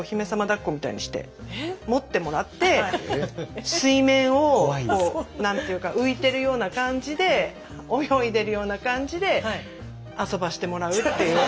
だっこみたいにして持ってもらって水面を何ていうか浮いてるような感じで泳いでるような感じで遊ばしてもらうっていう。